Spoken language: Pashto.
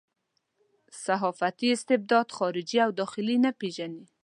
صحافتي استبداد خارجي او داخلي نه پېژني.